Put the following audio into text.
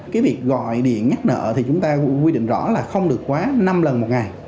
cái việc gọi điện nhắc nợ thì chúng ta quy định rõ là không được quá năm lần một ngày